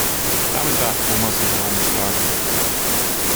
Damit darf Thomas sich herumschlagen.